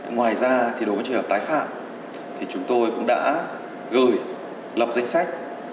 ngoài ra thì đối với trường hợp tái phạm thì chúng tôi cũng đã gửi lập danh sách